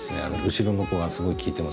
後ろの子がすごい効いてます。